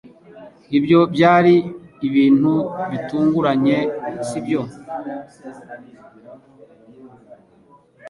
Ibyo byari ibintu bitunguranye, sibyo?